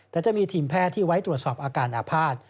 แต่จะมีทีมแพทย์ที่ไว้ตรวจสอบอาการอาภาษณ์